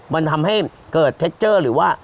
มันทำให้เกิดเทคเจอร์หรือว่า